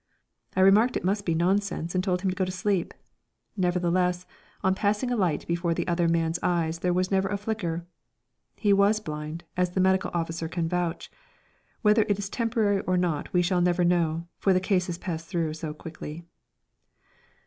I remarked it must be nonsense, and told him to go to sleep. Nevertheless, on passing a light before the other man's eyes there was never a flicker. He was blind, as the medical officer can vouch; whether it is temporary or not we shall never know, for the cases pass through so quickly.